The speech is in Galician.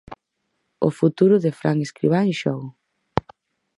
O futuro de Fran Escribá en xogo.